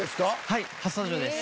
はい。